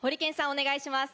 お願いします。